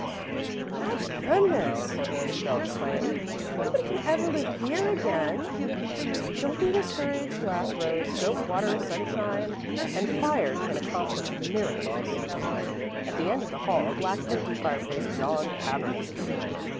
"My goodness!" Isabel exclaimed. "Nobody can ever live here again." "Don't be discouraged," laughed Rose. "Soap, water, sunshine, and fire can accomplish miracles." At the end of the hall a black, empty fireplace yawned cavernously.